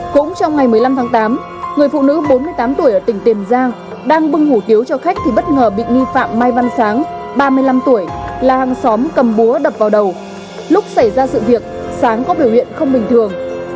cũng trong ngày một mươi năm tháng tám người phụ nữ bốn mươi tám tuổi ở tỉnh tiền giang đang bưng hủ tiếu cho khách thì bất ngờ bị nghi phạm mai văn sáng ba mươi năm tuổi là hàng xóm cầm búa đập vào đầu lúc xảy ra sự việc sáng có biểu hiện không bình thường